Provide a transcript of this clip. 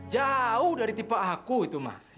jauh dari tipe aku itu mah